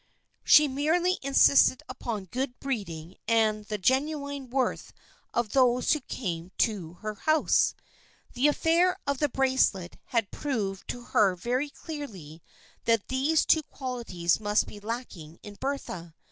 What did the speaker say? She merely insisted upon good breeding and the genuine worth of those who came to her house. The affair THE FRIENDSHIP OF ANNE 197 of the bracelet had proved to her very clearly that these two qualities must be lacking in Bertha.